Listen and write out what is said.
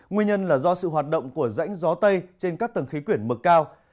nguyên nhân là do sự hoạt động của rãnh gió tây trên các tầng khí quyển mực cao